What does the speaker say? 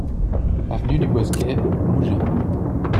Avenue du Bosquet, Mougins